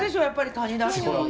やっぱり蟹だし。